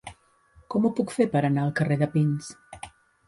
Com ho puc fer per anar al carrer de Pins?